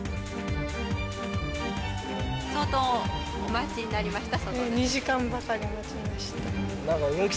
相当お待ちになりました？